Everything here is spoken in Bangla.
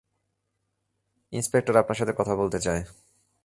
ইন্সপেক্টর আপনার সাথে কথা বলতে চায়।